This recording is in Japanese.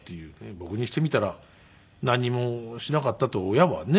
僕にしてみたら何もしなかったって親はね